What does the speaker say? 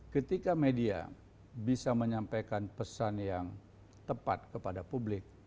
ketika media bisa menyampaikan pesan yang tepat kepada publik